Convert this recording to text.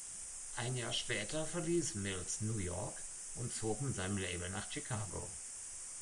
Ein Jahr später verließ Mills New York und zog mit seinem Label nach Chicago.